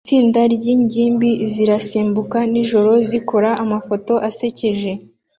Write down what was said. Itsinda ryingimbi zirasimbuka nijoro zikora amafoto asekeje